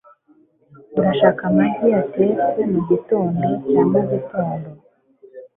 Urashaka amagi yatetse mugitondo cya mugitondo?